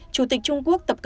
chủ tịch trung quốc tập cận mỹ